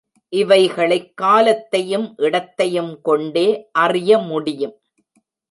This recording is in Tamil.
இவைகளைக் காலத்தையும் இடத்தையும் கொண்டே அறிய முடியும்.